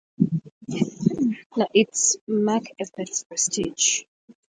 Its marque evades prestige.